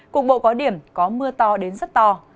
cục bộ có điểm có mưa to đến rất to